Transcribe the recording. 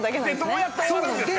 どうやって終わるんですか？